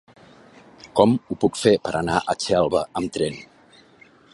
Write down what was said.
Com ho puc fer per anar a Xelva amb tren?